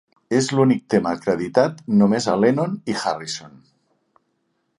És l'únic tema acreditat només a Lennon i Harrison.